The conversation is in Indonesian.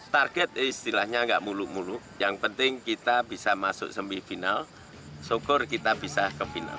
target istilahnya nggak muluk muluk yang penting kita bisa masuk semifinal syukur kita bisa ke final